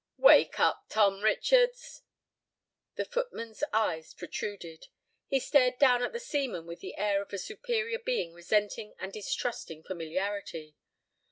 "Wake up, Tom Richards!" The footman's eyes protruded. He stared down at the seaman with the air of a superior being resenting and distrusting familiarity.